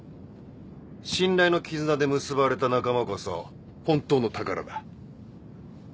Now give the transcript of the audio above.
信頼の絆で結ばれた仲間こそ本当の宝だ。